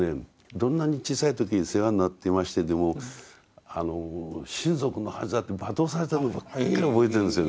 どんなに小さい時に世話になっていましてでも親族の恥だって罵倒されたことばっかり覚えてるんですよ。